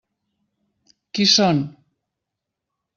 Qui són?